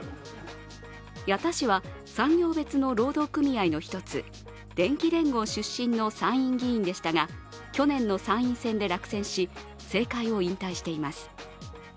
矢田氏は産業別の労働組合の１つ、電機連合出身の参院議員でしたが去年の参院選で落選し、政界を引退しています。